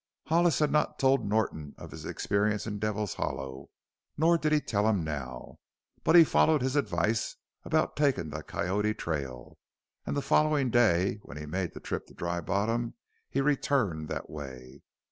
Hollis had not told Norton of his experience in Devil's Hollow, nor did he tell him now. But he followed his advice about taking the Coyote trail, and the following day when he made the trip to Dry Bottom he returned that way.